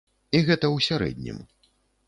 І гэта ў сярэднім.